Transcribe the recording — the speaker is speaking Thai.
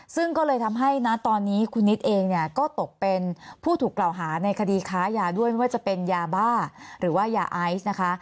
ซึ่งก็เลยทำให้นะตอนนี้คุณนิดเองเนี่ยก็ตกเป็นผู้ถูกกล่าวหาในคดีค้ายาด้วยไม่ว่าจะเป็นยาบ้าหรือว่ายาไอซ์นะคะ